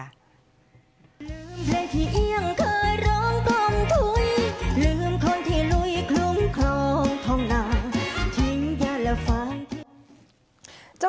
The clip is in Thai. ดูหน้าปู่ถุยกันหน่อยค่ะ